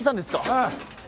ああ。